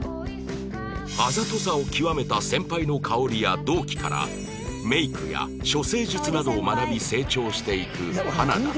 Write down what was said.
あざとさを究めた先輩の香織や同期からメイクや処世術などを学び成長していく花だったが